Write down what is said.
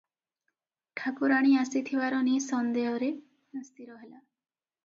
ଠାକୁରାଣୀ ଆସିଥିବାର ନିଃସନ୍ଦେହରେ ସ୍ଥିର ହେଲା ।